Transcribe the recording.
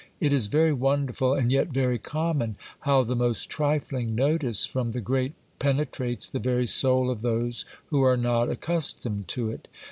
It is very wonderful, and yet very common, how the most trifling notice from the great penetrates the very soul of those who are not accustomed to it